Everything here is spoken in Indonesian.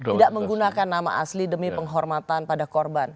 tidak menggunakan nama asli demi penghormatan pada korban